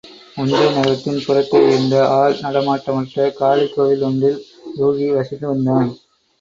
உஞ்சை நகரத்தின் புறத்தேயிருந்த ஆள்நடமாட்டமற்ற காளிகோவில் ஒன்றில் யூகி வசித்து வந்தான்.